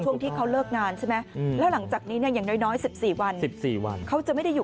พี่บ้างรอกมาแล้วหลังจากนี้แล้วอย่างน้อย๑๔วัน๑๔วันเขาจะไม่ได้อยู่